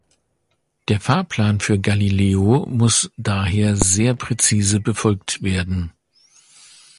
Der Fahrplan für Galileo muss daher sehr präzise befolgt werden.